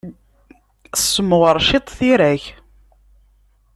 Ssemɣer ciṭ tira-k!